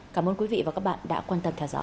cảm ơn quý vị và các bạn đã quan tâm theo dõi